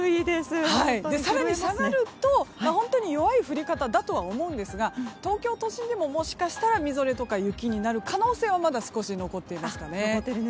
更に下がると、本当に弱い降り方だとは思うんですが東京都心でももしかしたら、みぞれとか雪になる可能性はまだ少し残っていますね。